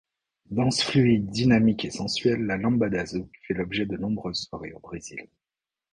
Danse fluide, dynamique et sensuelle, le lambada-zouk fait l'objet de nombreuses soirées au Brésil.